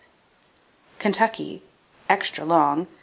Kentucky, (extra long!)